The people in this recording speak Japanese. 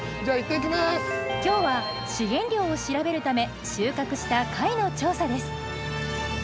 今日は資源量を調べるため収穫した貝の調査です。